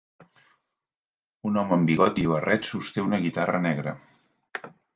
Un home amb bigoti i barret sosté una guitarra negra.